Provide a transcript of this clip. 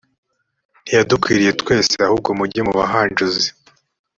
ntiyadukwira twese ahubwo nimujye mu bahanjuzi